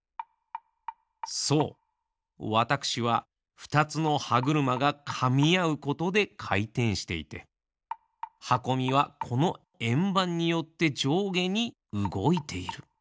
そうわたくしはふたつの歯車がかみあうことでかいてんしていてはこみはこのえんばんによってじょうげにうごいている。